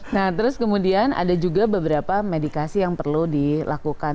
nah terus kemudian ada juga beberapa medikasi yang perlu dilakukan